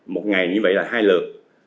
một ngày như vậy là hai lượt